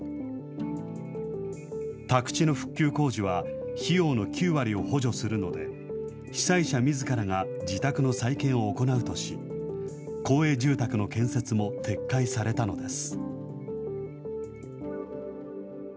宅地の復旧工事は、費用の９割を補助するので、被災者みずからが自宅の再建を行うとし、公営住宅の建設も撤回されたのです。